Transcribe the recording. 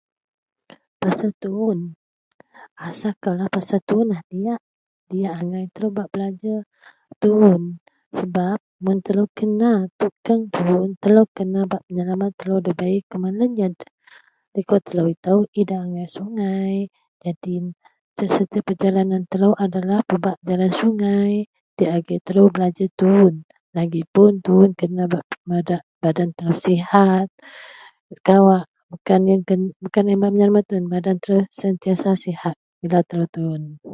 pasel tuun, rasa koulah pasel tuun la diyak, diyak agai telou bak belajer tuun sebab mun telou kena tukang tuun telou kena bak meyelamat telou debei kuman lenyed, liko telou itou idak agai Sungai nyadin sesetiap perjalanan telou adalah pebak jalan Sungai, diak agei telou belajer tuun lagi pun tuun kena bak madak badan telou sihat kawak bukan ien bak menyalamat un badan telou sentiasa sihat bila telou tuun